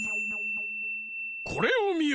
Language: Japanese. これをみよ！